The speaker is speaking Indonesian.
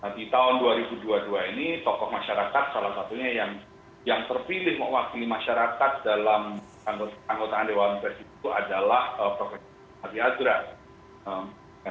di tahun dua ribu dua puluh dua ini tokoh masyarakat salah satunya yang terpilih mewakili masyarakat dalam anggota dewan pers itu adalah prof adi azra